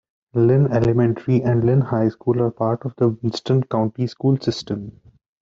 Lynn Elementary and Lynn High School are part of the Winston County School System.